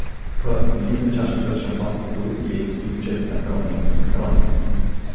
П… дигна чашата с шампанското и я изпи в чест на Кроние… Кроние!